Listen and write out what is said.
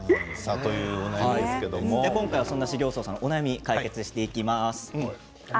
今回はそんな修行僧さんのお悩みを解決していきます。